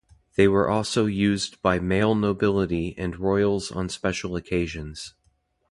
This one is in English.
They were also used by male nobility and royals on special occasions.